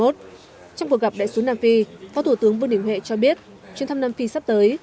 trong cuộc gặp đại sứ nam phi phó thủ tướng vương đình huệ cho biết chuyến thăm nam phi sắp tới